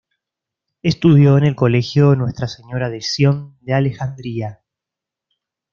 Estudió en el Colegio Nuestra Señora de Sion de Alejandría.